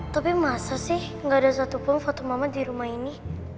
tapi masa sih gak ada satupun foto mama di rumah ini